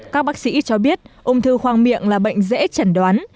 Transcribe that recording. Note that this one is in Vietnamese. các bác sĩ cho biết ung thư khoang miệng là bệnh dễ chẩn đoán